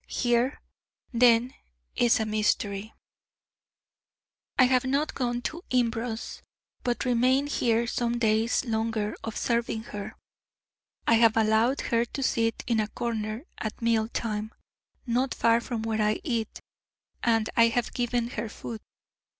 Here, then, is a mystery. I have not gone to Imbros, but remained here some days longer observing her. I have allowed her to sit in a corner at meal time, not far from where I eat, and I have given her food.